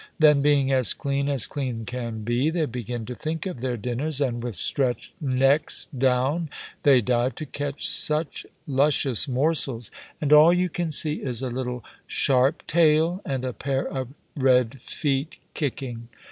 Then, being as clean as clean can be, they begin to think of their dinners, and with stretched necks down they dive to catch some luscious morsel, and all you can see is a little sharp tail and a pair of red feet kicking.